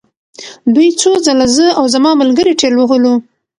دوی څو ځله زه او زما ملګري ټېل وهلو